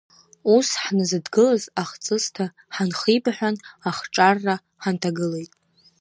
Ус, ҳназыдгылаз ахҵысҭа ҳанхибаҳәан, ахҿарра ҳанҭагылеит.